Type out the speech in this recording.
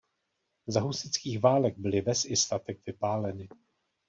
Za husitských válek byly ves i statek vypáleny.